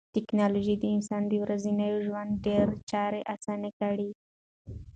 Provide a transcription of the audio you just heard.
ټکنالوژي د انسان د ورځني ژوند ډېری چارې اسانه کړې دي.